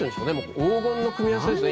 黄金の組み合わせですね。